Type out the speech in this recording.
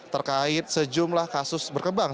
terkait sejumlah kasus berkembang